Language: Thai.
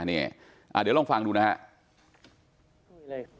เดี๋ยวลองฟังดูนะฮะ